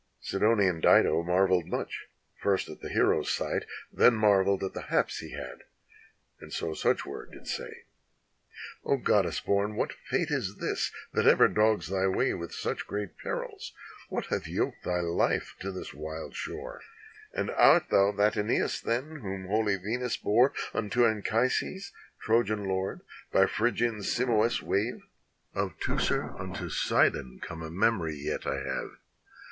Sidonian Dido marveled much, first at the hero's sight, Then marveled at the haps he had, and so such word did say: "0 Goddess born, what fate is this that ever dogs thy way With such great perils? What hath yoked thy life to this wild shore? And art thou that iEneas then, whom holy Venus bore Unto Anchises, Trojan lord, by Phrygian Simois' wave? Of Teucer unto Sidon come a memory yet I have.